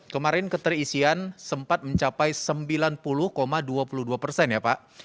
kemarin keterisian sempat mencapai sembilan puluh dua puluh dua persen ya pak